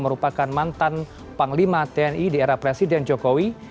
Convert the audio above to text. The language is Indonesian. merupakan mantan panglima tni di era presiden jokowi